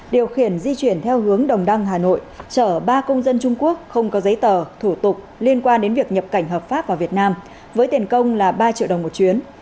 điều khiển di chuyển theo hướng đồng đăng hà nội chở ba công dân trung quốc không có giấy tờ thủ tục liên quan đến việc nhập cảnh hợp pháp vào việt nam với tiền công là ba triệu đồng một chuyến